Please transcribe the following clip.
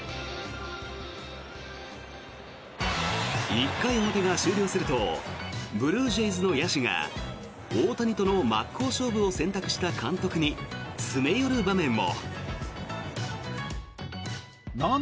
１回表が終了するとブルージェイズの野手が大谷との真っ向勝負を選択した監督に詰め寄る場面も。